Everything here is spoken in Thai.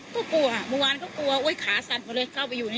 ก็กลัวเมื่อวานก็กลัวอ้วยขาสันกว่าเลยก็เข้าไปอยู่ค่ะ